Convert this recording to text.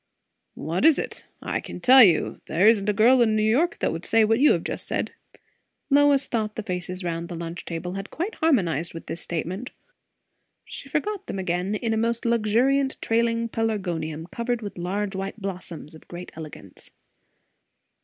"What is it? I can tell you, there isn't a girl in New York that would say what you have just said." Lois thought the faces around the lunch table had quite harmonized with this statement. She forgot them again in a most luxuriant trailing Pelargonium covered with large white blossoms of great elegance.